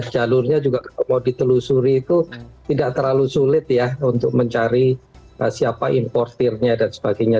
jalurnya juga kalau ditelusuri itu tidak terlalu sulit ya untuk mencari siapa importirnya dan sebagainya